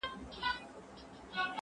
د حاکم تر خزانې پوري به تللې